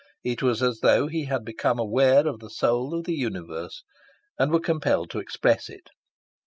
It was as though he had become aware of the soul of the universe and were compelled to express it.